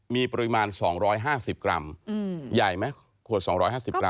มีปริมาณ๒๕๐กรัมใหญ่ไหมขวด๒๕๐กรั